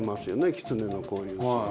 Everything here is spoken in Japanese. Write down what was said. キツネのこういうの。